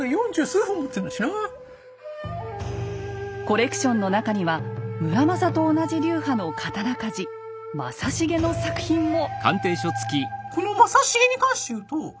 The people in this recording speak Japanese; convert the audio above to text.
コレクションの中には村正と同じ流派の刀鍛冶正重の作品も。